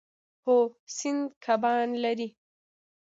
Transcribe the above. هو، سیند کبان لري